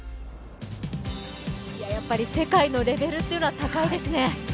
やっぱり世界のレベルというのは高いですね。